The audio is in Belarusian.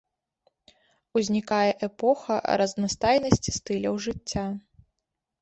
Узнікае эпоха разнастайнасці стыляў жыцця.